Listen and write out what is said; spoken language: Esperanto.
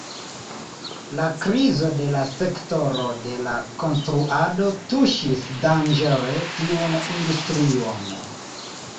La krizo de la sektoro de la konstruado tuŝis danĝere tiun industrion.